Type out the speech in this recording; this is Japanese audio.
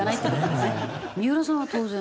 三浦さんは当然。